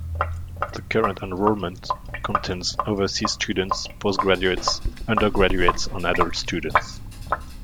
The current enrolment contains overseas students, postgraduates, undergraduates and adult students.